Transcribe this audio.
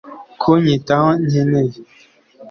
kunyitaho nkeneye